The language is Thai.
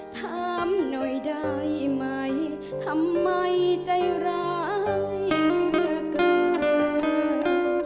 ถามหน่อยได้ไหมทำไมใจร้ายเหลือเกิน